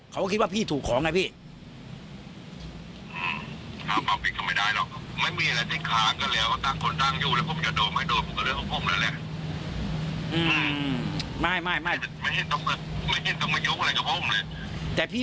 เขาก็คิดว่าพี่ถูกของไงพี่